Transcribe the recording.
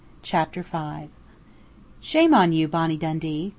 CHAPTER FIVE "Shame on you, Bonnie Dundee!"